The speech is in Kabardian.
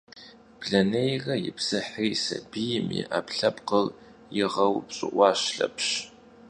Blenêyre yipsıhri, sabiym yi 'epkhlhepkhır yiğeupş'ı'uaş Lhepş.